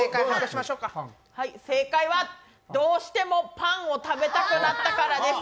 どうしてもパンを食べたくなったからです。